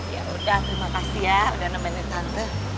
yaudah terima kasih ya udah nemenin tante